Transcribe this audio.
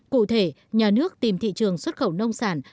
cụ thể nhà nước tìm thị trường xuất khẩu nông sản